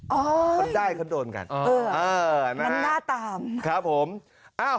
อ๋อมันได้เขาโดนกันเออนะครับครับผมมันหน้าตาม